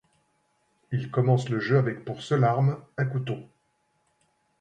Il commence le jeu avec pour seule arme un couteau.